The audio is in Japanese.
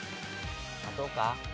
待とうか？